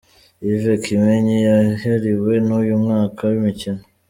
Yves Kimenyi yahiriwe n’uyu mwaka w’imikino